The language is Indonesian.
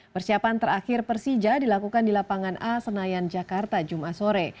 persiapan terakhir persija dilakukan di lapangan a senayan jakarta jumat sore